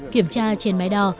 kiểm tra trên máy đo